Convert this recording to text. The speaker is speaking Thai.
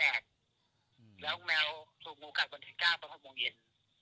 แล้วแมวถูกงูกัดวันที่๙ตอน๖โมงเย็น